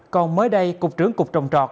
còn mới đây cục trưởng cục trồng trọt